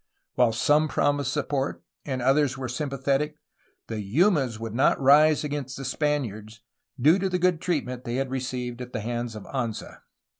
While some promised support and others were sympathetic, the Yumas would not rise against the Spaniards, due to the good treat ment they had received at the hands of Anza.